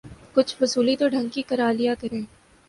کچھ وصولی تو ڈھنگ کی کرا لیا کریں۔